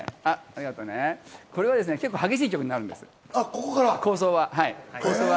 これは結構、激しい曲になるんです、構想は。